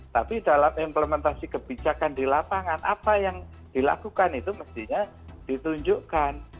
tapi dalam implementasi kebijakan di lapangan apa yang dilakukan itu mestinya ditunjukkan